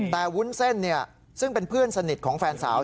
แต่วุ้นเส้นซึ่งเป็นเพื่อนสนิทของแฟนสาว